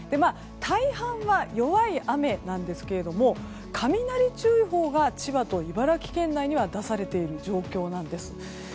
大半は、弱い雨なんですが雷注意報が千葉と茨城県内に出されている状況です。